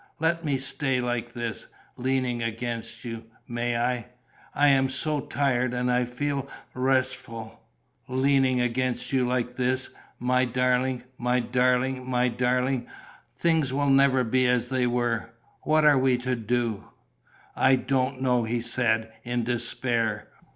"Let me stay like this, leaning against you. May I? I am so tired and I feel restful, leaning against you like this, my darling. My darling, my darling ... things will never be as they were. What are we to do?" "I don't know," he said, in despair.